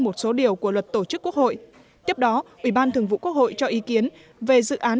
một số điều của luật tổ chức quốc hội tiếp đó ủy ban thường vụ quốc hội cho ý kiến về dự án